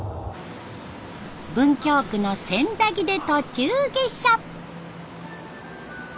文京区の千駄木で途中下車。